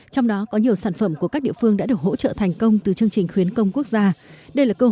trong đó có nhiều sản phẩm của các địa phương đã được hỗ trợ thành công từ chương trình khuyến công quốc gia